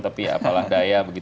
tapi apalah daya begitu ya